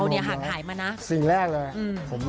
เป็นมือกัน